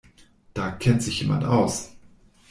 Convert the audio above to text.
Da kennt sich jemand aus.